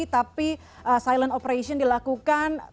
tapi silent operation dilakukan